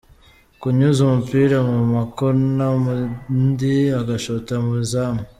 Kunyuza umupira mu makona ubundi ugashota mu izamu.